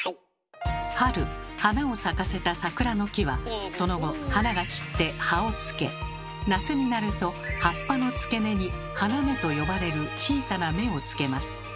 春花を咲かせた桜の木はその後花が散って葉をつけ夏になると葉っぱの付け根に「花芽」と呼ばれる小さな芽をつけます。